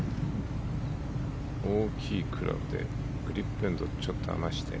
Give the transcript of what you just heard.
大きいクラブでグリップエンドちょっと余して。